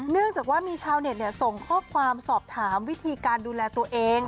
เนื่องจากว่ามีชาวเน็ตส่งข้อความสอบถามวิธีการดูแลตัวเอง